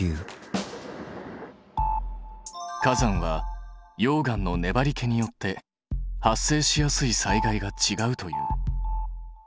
火山は溶岩のねばりけによって発生しやすい災害がちがうという。